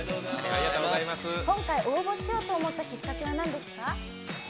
今回、応募しようと思ったきっかけはなんですか？